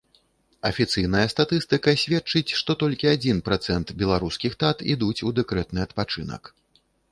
Афіцыйная статыстыка сведчыць, што толькі адзін працэнт беларускіх тат ідуць у дэкрэтны адпачынак.